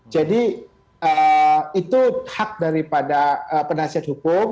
jadi itu hak daripada penasihat hukum